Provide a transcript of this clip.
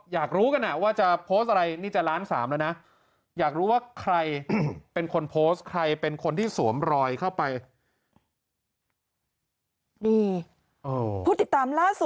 อยากรู้กันว่าจะโพสแบบ